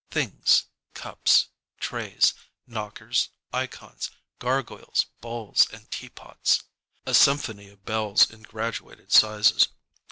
Things cups, trays, knockers, ikons, gargoyles, bowls, and teapots. A symphony of bells in graduated sizes.